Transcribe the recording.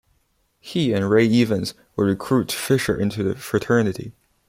He and Ray Evans would recruit Fisher into the fraternity.